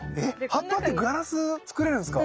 葉っぱってガラス作れるんですか？